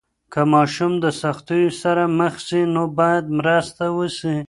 که ماشوم د سختیو سره مخ سي، نو باید مرسته وسي.